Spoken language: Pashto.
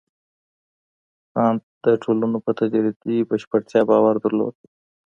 کنت د ټولنو په تدريجي بشپړتيا باور درلود.